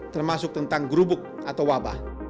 termasuk tentang gerubuk atau wabah